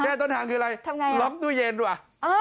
ต้นทางคืออะไรทำไงล็อกตู้เย็นว่ะ